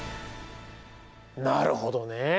なるほどね。